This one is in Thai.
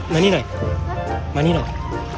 มานี่หน่อยมานี่หน่อย